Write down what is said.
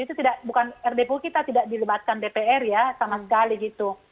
itu bukan rdpu kita tidak dilibatkan dpr ya sama sekali gitu